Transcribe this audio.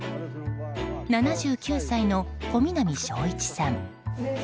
７９歳の小南正一さん